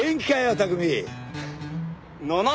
拓海！